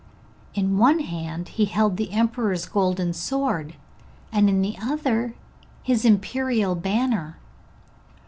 In one hand he held the emperor's golden sword, and in the other his imperial banner.